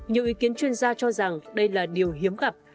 nhiều ý kiến chuyên gia cho rằng đây là điều hiếm gặp